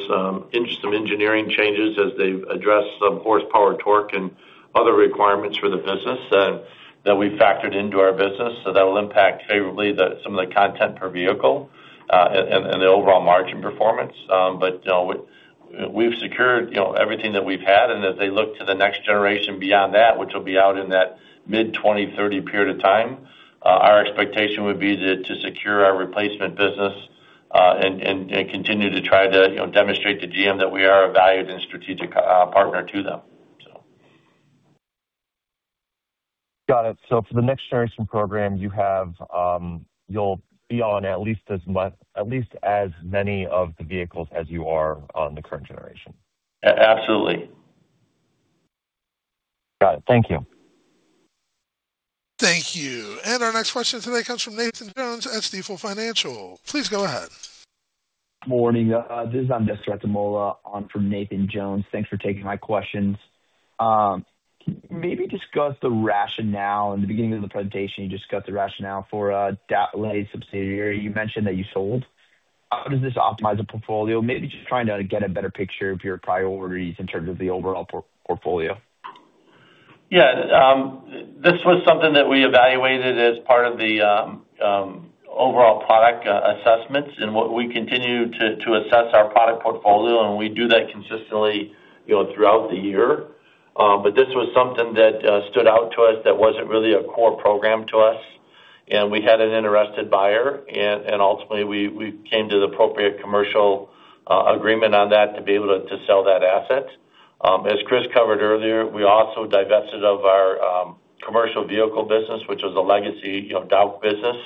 interest of engineering changes as they've addressed some horsepower torque and other requirements for the business that we factored into our business. That'll impact favorably the, some of the content per vehicle and the overall margin performance. You know, we've secured, you know, everything that we've had and as they look to the next generation beyond that, which will be out in that mid 2030 period of time, our expectation would be to secure our replacement business and continue to try to, you know, demonstrate to GM that we are a valued and strategic partner to them. Got it. For the next generation program you have, you'll be on at least as many of the vehicles as you are on the current generation? A-absolutely. Got it. Thank you. Thank you. Our next question today comes from Nathan Jones at Stifel Financial. Please go ahead. Morning. this is on from Nathan Jones. Thanks for taking my questions. Can you maybe discuss the rationale, in the beginning of the presentation you discussed the rationale for Dowlais subsidiary you mentioned that you sold. How does this optimize the portfolio? Maybe just trying to get a better picture of your priorities in terms of the overall portfolio? This was something that we evaluated as part of the overall product assessments and what we continue to assess our product portfolio, and we do that consistently, you know, throughout the year. This was something that stood out to us that wasn't really a core program to us, and we had an interested buyer and ultimately we came to the appropriate commercial agreement on that to be able to sell that asset. As Chris covered earlier, we also divested of our commercial vehicle business, which was a legacy, you know, Dauch business.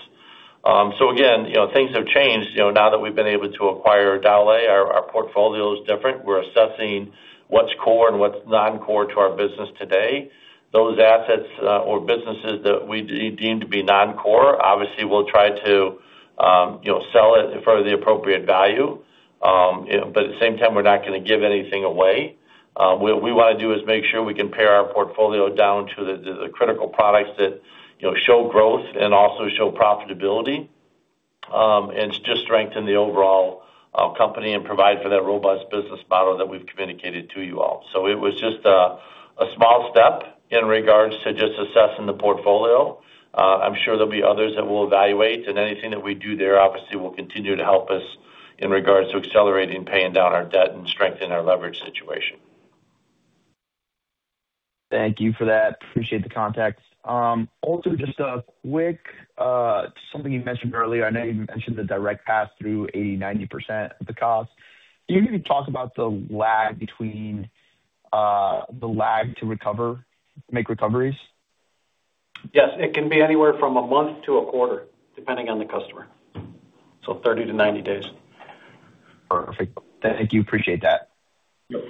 Again, you know, things have changed, you know, now that we've been able to acquire Dowlais, our portfolio is different. We're assessing what's core and what's non-core to our business today. Those assets, or businesses that we deem to be non-core, obviously we'll try to, you know, sell it for the appropriate value. You know, at the same time, we're not gonna give anything away. What we wanna do is make sure we can pare our portfolio down to the critical products that, you know, show growth and also show profitability. To just strengthen the overall company and provide for that robust business model that we've communicated to you all. It was just a small step in regards to just assessing the portfolio. I'm sure there'll be others that we'll evaluate, and anything that we do there obviously will continue to help us in regards to accelerating paying down our debt and strengthen our leverage situation. Thank you for that. Appreciate the context. Something you mentioned earlier. I know you mentioned the direct pass through 80%-90% of the cost. Can you maybe talk about the lag to recover, make recoveries? Yes. It can be anywhere from a month to a quarter, depending on the customer 30 to 90 days. Perfect. Thank you. Appreciate that. Yep.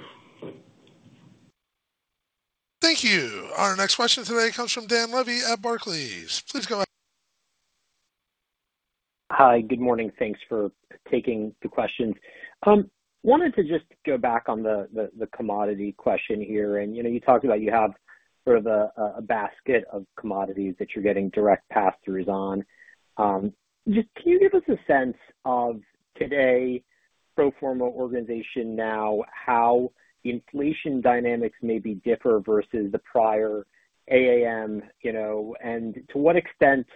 Thank you. Our next question today comes from Dan Levy at Barclays. Please go ahead. Hi. Good morning. Thanks for taking the questions. Wanted to just go back on the commodity question here. You know, you talked about you have sort of a basket of commodities that you're getting direct pass-throughs on. Just can you give us a sense of today, pro forma organization now, how inflation dynamics maybe differ versus the prior AAM, you know? To what extent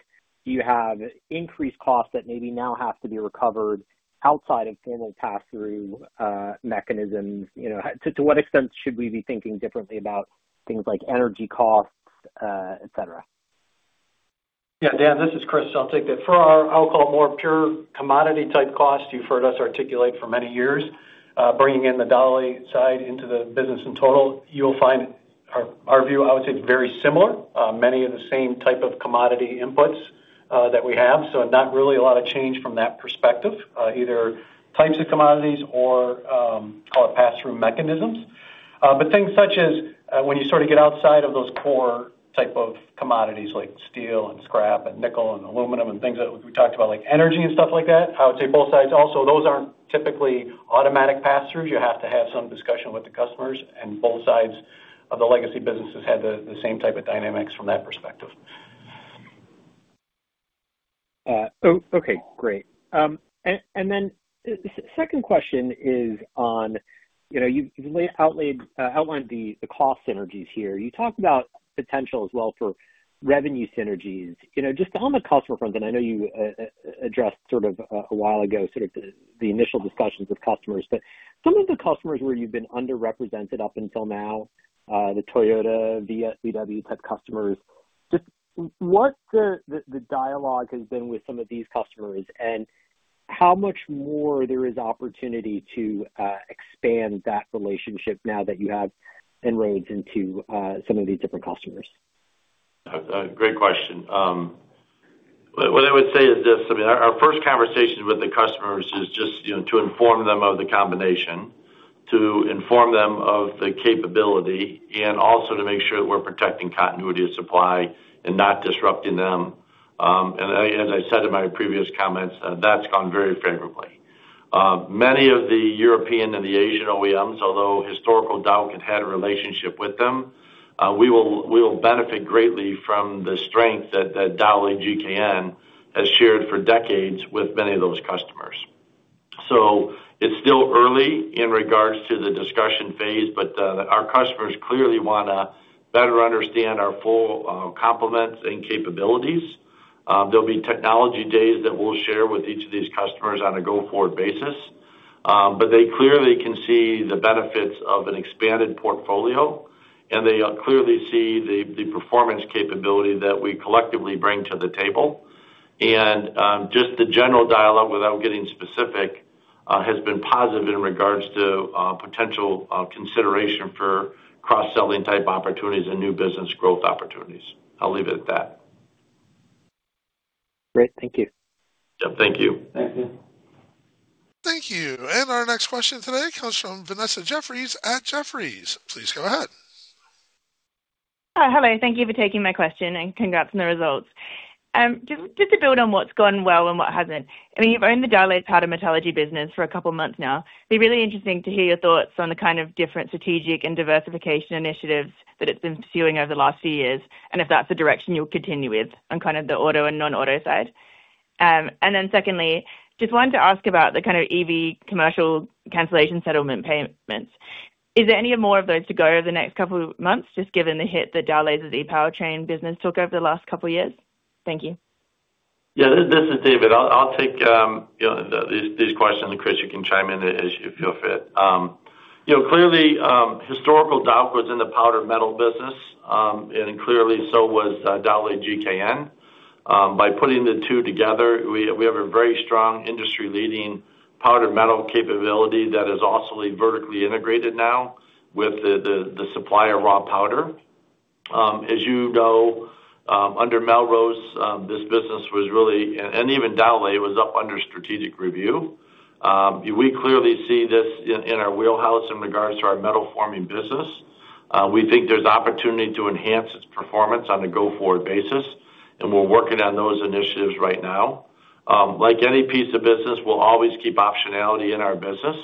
do you have increased costs that maybe now have to be recovered outside of formal pass-through mechanisms? You know, to what extent should we be thinking differently about things like energy costs, et cetera? Dan, this is Chris. I'll take that. For our, I'll call it more pure commodity type cost, you've heard us articulate for many years, bringing in the Dowlais side into the business in total, you'll find our view, I would say, very similar. Many of the same type of commodity inputs that we have, not really a lot of change from that perspective, either types of commodities or call it pass-through mechanisms. Things such as when you sort of get outside of those core type of commodities like steel and scrap and nickel and aluminum and things that we talked about like energy and stuff like that, I would say both sides also, those aren't typically automatic pass-throughs. You have to have some discussion with the customers. Both sides of the legacy businesses had the same type of dynamics from that perspective. Okay, great. Second question is on, you know, you've outlined the cost synergies here. You talked about potential as well for revenue synergies. You know, just on the customer front, and I know you addressed sort of a while ago sort of the initial discussions with customers. Some of the customers where you've been underrepresented up until now, the Toyota, VW type customers, just what the dialogue has been with some of these customers and how much more there is opportunity to expand that relationship now that you have inroads into some of these different customers? A great question. What I would say is this. I mean, our first conversations with the customers is just, you know, to inform them of the combination, to inform them of the capability, and also to make sure that we're protecting continuity of supply and not disrupting them. As I said in my previous comments, that's gone very favorably. Many of the European and the Asian OEMs, although historical Dauch had a relationship with them, we will benefit greatly from the strength that Dowlais GKN has shared for decades with many of those customers. It's still early in regards to the discussion phase, but our customers clearly wanna better understand our full complements and capabilities. There'll be technology days that we'll share with each of these customers on a go-forward basis. They clearly can see the benefits of an expanded portfolio, and they clearly see the performance capability that we collectively bring to the table. Just the general dialogue, without getting specific, has been positive in regards to potential consideration for cross-selling type opportunities and new business growth opportunities. I'll leave it at that. Great. Thank you. Yeah, thank you. Thank you. Thank you. Our next question today comes from Vanessa Jeffriess at Jefferies. Please go ahead. Hi. Hello. Thank you for taking my question, and congrats on the results. Just to build on what's gone well and what hasn't. I mean, you've owned the Dowlais Powder Metallurgy business for a couple of months now. It'd be really interesting to hear your thoughts on the kind of different strategic and diversification initiatives that it's been pursuing over the last few years, and if that's the direction you'll continue with on kind of the auto and non-auto side. Then secondly, just wanted to ask about the kind of EV commercial cancellation settlement payments. Is there any more of those to go over the next couple of months, just given the hit that Dowlais' e-powertrain business took over the last couple of years? Thank you. Yeah. This is David. I'll take, you know, these questions, and Chris, you can chime in as you feel fit. You know, clearly, historical Dauch was in the powder metallurgy business, and clearly so was Dowlais GKN. By putting the two together, we have a very strong industry-leading powder metallurgy capability that is also vertically integrated now with the supplier raw powder. As you know, under Melrose, even Dauch was up under strategic review. We clearly see this in our wheelhouse in regards to our metal-forming business. We think there's opportunity to enhance its performance on a go-forward basis, and we're working on those initiatives right now. Like any piece of business, we'll always keep optionality in our business.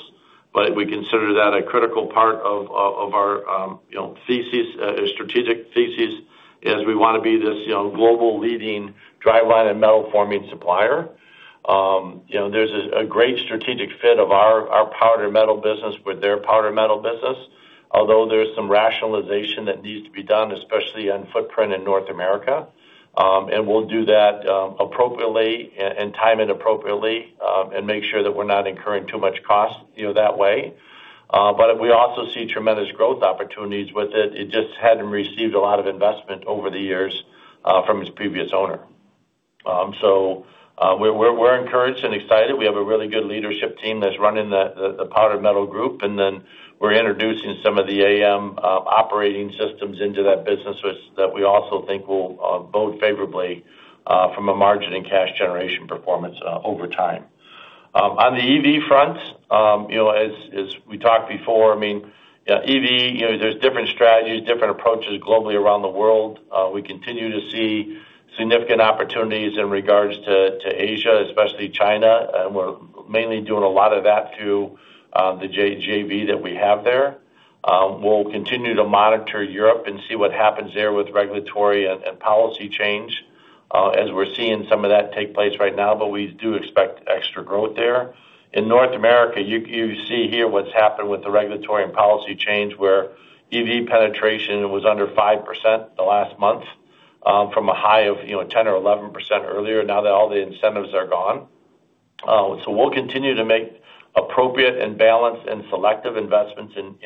We consider that a critical part of our, you know, thesis, strategic thesis, as we wanna be this, you know, global leading driveline and metal forming supplier. You know, there's a great strategic fit of our powder metal business with their powder metal business, although there's some rationalization that needs to be done, especially on footprint in North America. We'll do that, appropriately and time it appropriately, and make sure that we're not incurring too much cost, you know, that way. We also see tremendous growth opportunities with it. It just hadn't received a lot of investment over the years, from its previous owner. We're encouraged and excited. We have a really good leadership team that's running the Dowlais Powder Metallurgy, and then we're introducing some of the AAM operating systems into that business, which that we also think will bode favorably from a margin and cash generation performance over time. On the EV front, you know, as we talked before, I mean, EV, you know, there's different strategies, different approaches globally around the world. We continue to see significant opportunities in regards to Asia, especially China. We're mainly doing a lot of that through the JV that we have there. We'll continue to monitor Europe and see what happens there with regulatory and policy change as we're seeing some of that take place right now, but we do expect extra growth there. In North America, you see here what's happened with the regulatory and policy change, where EV penetration was under 5% the last month, from a high of, you know, 10% or 11% earlier, now that all the incentives are gone. We'll continue to make appropriate and balanced and selective investments in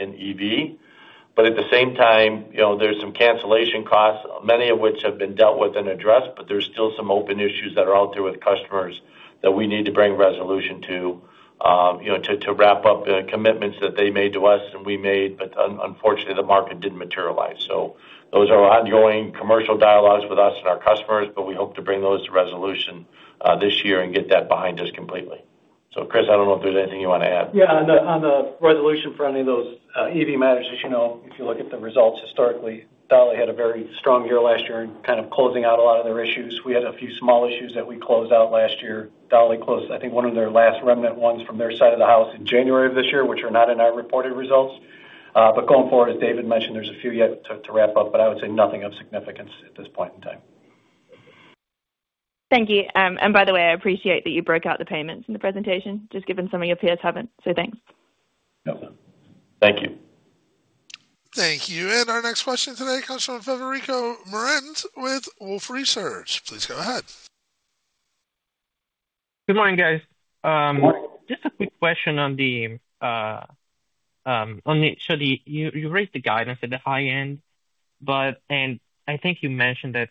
EV. At the same time, you know, there's some cancellation costs, many of which have been dealt with and addressed, but there's still some open issues that are out there with customers that we need to bring resolution to, you know, to wrap up the commitments that they made to us and we made, unfortunately, the market didn't materialize. Those are ongoing commercial dialogues with us and our customers, but we hope to bring those to resolution this year and get that behind us completely. Chris, I don't know if there's anything you wanna add. Yeah. On the resolution front of those EV matters, as you know, if you look at the results historically, Dauch had a very strong year last year in kind of closing out a lot of their issues. We had a few small issues that we closed out last year. Dauch closed, I think, one of their last remnant ones from their side of the house in January of this year, which are not in our reported results. Going forward, as David mentioned, there's a few yet to wrap up, but I would say nothing of significance at this point in time. Thank you. By the way, I appreciate that you broke out the payments in the presentation, just given some of your peers haven't. Thanks. No problem. Thank you. Thank you. Our next question today comes from Federico Merendi with Wolfe Research. Please go ahead. Good morning, guys. Just a quick question, you raised the guidance at the high end, and I think you mentioned that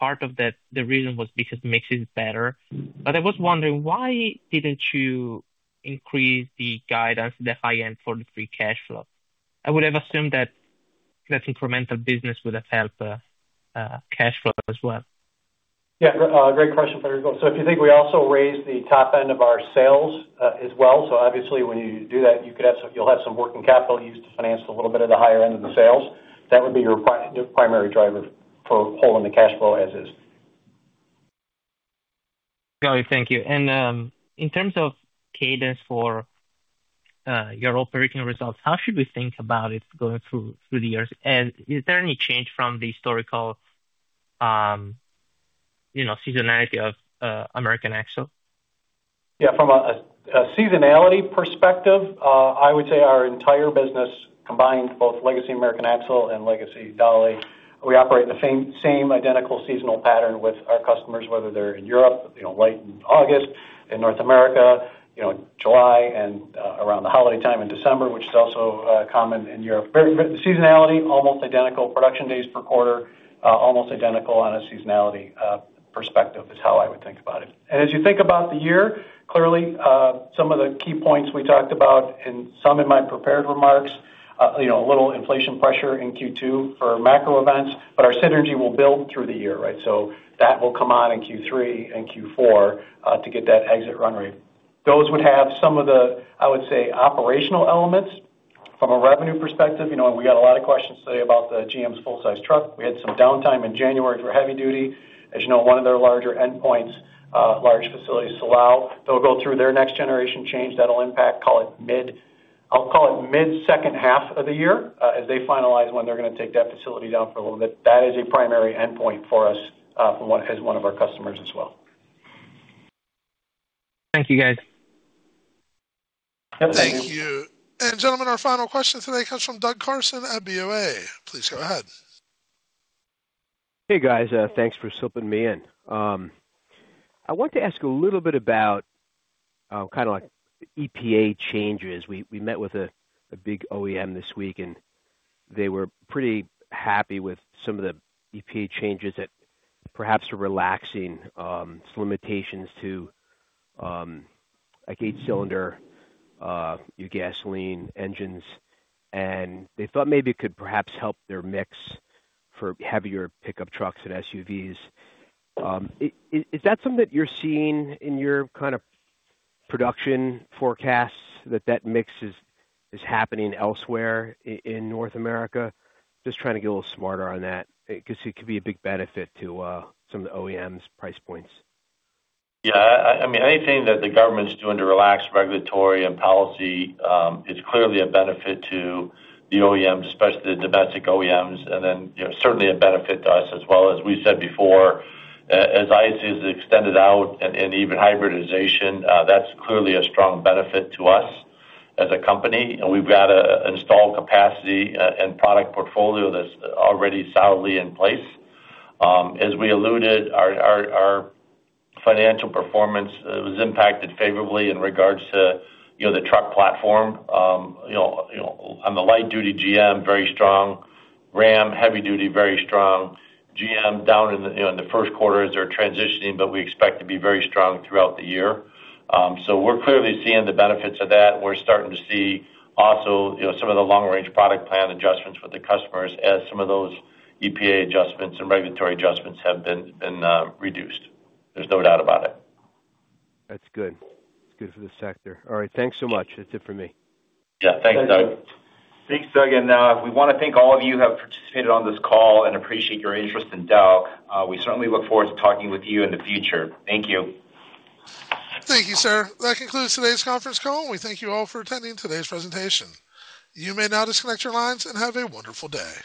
part of that, the reason was because Mexichem is better. I was wondering, why didn't you increase the guidance, the high end for the free cash flow? I would have assumed that that incremental business would have helped cash flow as well. Yeah. Great question, Federico. If you think we also raised the top end of our sales as well. Obviously, when you do that, you could have some working capital used to finance a little bit of the higher end of the sales. That would be your primary driver for pulling the cash flow as is. Got it. Thank you. In terms of cadence for your operating results, how should we think about it going through the years? Is there any change from the historical, you know, seasonality of American Axle? Yeah. From a seasonality perspective, I would say our entire business combined both legacy American Axle and legacy Dowlais. We operate the same identical seasonal pattern with our customers, whether they're in Europe, you know, late in August, in North America, you know, July and around the holiday time in December, which is also common in Europe. Seasonality, almost identical production days per quarter, almost identical on a seasonality perspective is how I would think about it. As you think about the year, clearly, some of the key points we talked about and some in my prepared remarks, you know, a little inflation pressure in Q2 for macro events, but our synergy will build through the year, right? That will come on in Q3 and Q4 to get that exit run rate. Those would have some of the, I would say, operational elements from a revenue perspective. You know, we got a lot of questions today about the GM's full-size truck. We had some downtime in January for heavy duty. As you know, one of their larger endpoints, large facilities, Silao. They'll go through their next generation change that'll impact, call it mid-second half of the year, as they finalize when they're gonna take that facility down for a little bit. That is a primary endpoint for us, for one as one of our customers as well. Thank you, guys. Yep. Thank you. Gentlemen, our final question today comes from Doug Carson at BofA. Please go ahead. Hey, guys. Thanks for slipping me in. I want to ask a little bit about kinda like EPA changes. We met with a big OEM this week, and they were pretty happy with some of the EPA changes that perhaps are relaxing some limitations to like eight-cylinder your gasoline engines, and they thought maybe it could perhaps help their mix for heavier pickup trucks and SUVs. Is that something that you're seeing in your kind of production forecasts that mix is happening elsewhere in North America? Just trying to get a little smarter on that. 'Cause it could be a big benefit to some of the OEMs' price points. I mean, anything that the government's doing to relax regulatory and policy is clearly a benefit to the OEMs, especially the domestic OEMs, and then, you know, certainly a benefit to us as well. As we said before, as ICE is extended out and even hybridization, that's clearly a strong benefit to us as a company, and we've got a installed capacity and product portfolio that's already solidly in place. As we alluded, our financial performance was impacted favorably in regards to, you know, the truck platform. You know, on the light duty GM, very strong. Ram, heavy duty, very strong. GM, down in the, you know, in the 1st quarter as they're transitioning. We expect to be very strong throughout the year. We're clearly seeing the benefits of that. We're starting to see also, you know, some of the long-range product plan adjustments with the customers as some of those EPA adjustments and regulatory adjustments have been reduced. There's no doubt about it. That's good. It's good for the sector. All right. Thanks so much. That's it for me. Yeah. Thanks, Doug. Thanks, Doug. We wanna thank all of you who have participated on this call and appreciate your interest in Dauch. We certainly look forward to talking with you in the future. Thank you. Thank you, sir. That concludes today's conference call, and we thank you all for attending today's presentation. You may now disconnect your lines and have a wonderful day.